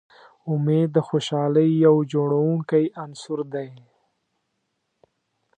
امید د خوشحالۍ یو جوړوونکی عنصر دی.